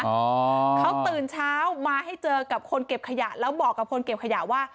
อ๋อเขาตื่นเช้ามาให้เจอกับคนเก็บขยะแล้วบอกกับคนเก็บขยะว่า